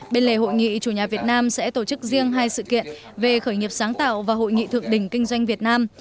bên lề hội nghị chủ nhà việt nam sẽ tổ chức riêng hai sự kiện về khởi nghiệp sáng tạo và hội nghị thượng đỉnh kinh doanh việt nam